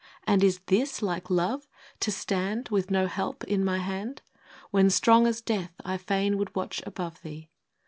'And is this like love, to stand With no help in my hand. When strong as death I fain would watch above thee